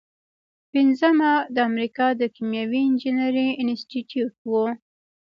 پنځمه د امریکا د کیمیاوي انجینری انسټیټیوټ و.